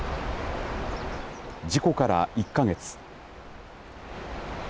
事故から１か月。